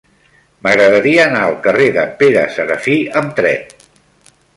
M'agradaria anar al carrer de Pere Serafí amb tren.